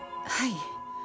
はい。